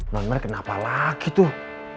non mer kenapa lagi tuh